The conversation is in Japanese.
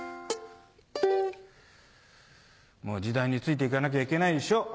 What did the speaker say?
もう時代についていかなきゃいけないでしょ。